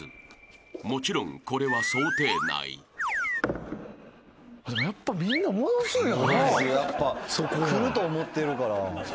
［もちろんこれは想定内］来ると思ってるから。